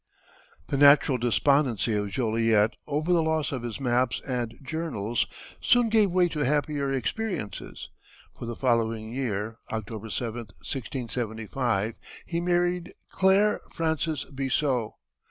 The natural despondency of Joliet over the loss of his maps and journals soon gave way to happier experiences; for the following year, October 7, 1675, he married Clare Frances Bissot.